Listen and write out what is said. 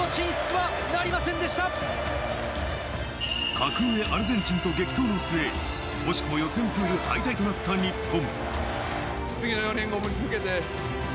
格上アルゼンチンと激闘の末、惜しくも予選プール敗退となった日本。